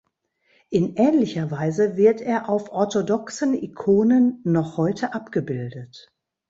In ähnlicher Weise wird er auf orthodoxen Ikonen noch heute abgebildet.